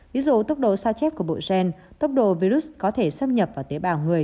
ví dụ tốc độ sao chép của bộ gen tốc độ virus có thể xâm nhập vào tế bào người